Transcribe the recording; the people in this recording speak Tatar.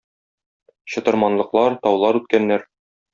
Чытырманлыклар, таулар үткәннәр.